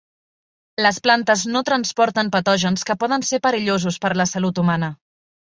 Les plantes no transporten patògens que poden ser perillosos per la salut humana.